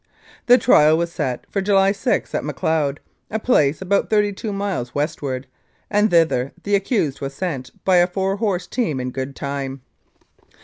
The trial was set for July 6, at Macleod, a place about thirty two miles westward, and thither the accused was sent by a four horse team in good time.